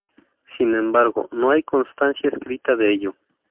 Sin embargo no hay constancia escrita de ello.